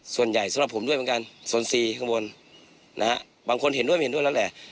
สำหรับผมด้วยเหมือนกันโซนซีข้างบนนะฮะบางคนเห็นด้วยไม่เห็นด้วยแล้วแหละ